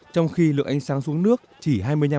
trong khi lượng ánh sáng xuống nước chỉ hai mươi năm